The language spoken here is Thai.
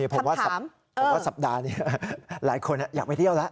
ผมว่าผมว่าสัปดาห์นี้หลายคนอยากไปเที่ยวแล้ว